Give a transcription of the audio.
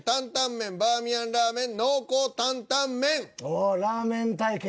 おおラーメン対決。